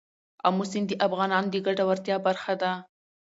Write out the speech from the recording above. آمو سیند د افغانانو د ګټورتیا برخه ده.